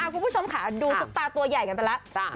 คุณผู้ชมค่ะดูซุปตาตัวใหญ่กันไปแล้ว